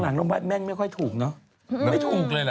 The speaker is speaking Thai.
หลังน้องแปดแม่งไม่ค่อยถูกเนอะไม่ถูกเลยล่ะ